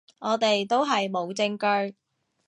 我哋都係冇證據